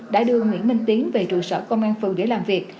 đã đưa nguyễn minh tiến về trụ sở công an phường để làm việc